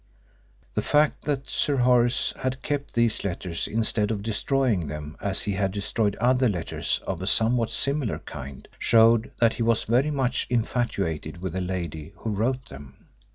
The fact that Sir Horace had kept these letters instead of destroying them as he had destroyed other letters of a somewhat similar kind showed that he was very much infatuated with the lady who wrote them.